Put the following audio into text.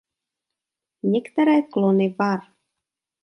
Některé klony var.